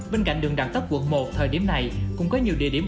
bên cạnh đường đặng tất quận một thời điểm này cũng có nhiều địa điểm